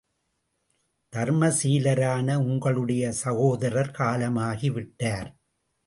தர்ம சீலரான உங்களுடைய சகோதரர் காலமாகி விட்டார்.